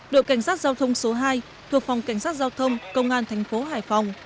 đội cảnh sát giao thông số hai thuộc phòng cảnh sát giao thông công an tp hải phòng